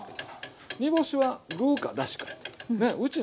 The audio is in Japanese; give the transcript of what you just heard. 煮干しは具かだしかというね。